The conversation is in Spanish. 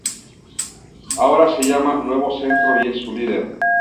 Ahora se llama Nuevo Centro y es su líder.